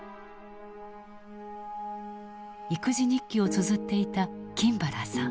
育児日記をつづっていた金原さん。